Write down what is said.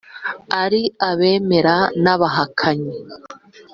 ari abemera n’abahakanyi